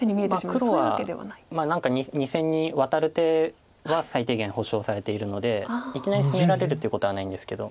黒は何か２線にワタる手は最低限保障されているのでいきなり攻められるっていうことはないんですけど